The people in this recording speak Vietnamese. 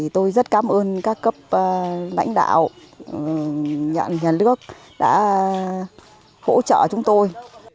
tôi rất cảm ơn các cấp lãnh đạo nhà nước đã hỗ trợ chúng tôi